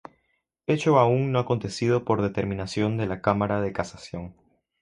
Hecho aún no acontecido por determinación de la Cámara de Casación.